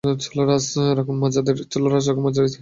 চুলার আঁচ রাখুন মাঝারিতে।